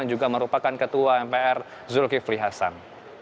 yang juga merupakan ketua mpr zulkifli hasan